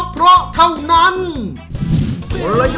โดยการแข่งขาวของทีมเด็กเสียงดีจำนวนสองทีม